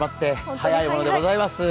早いものでございます。